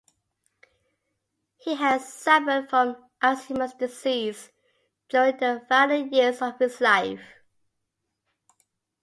He had suffered from Alzheimer's disease during the final years of his life.